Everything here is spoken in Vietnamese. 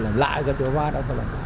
làm lại cái chỗ vá đó